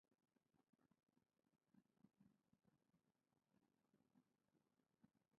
Millions of people continuously live below the poverty level; many suffer homelessness and hunger.